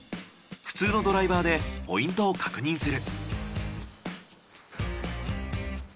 普通のドライバーでポイントを確認する。